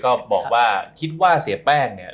ก็บอกว่าคิดว่าเสียแป้งเนี่ย